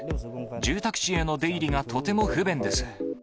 住宅地への出入りがとても不便です。